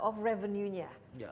itu mereka juga produknya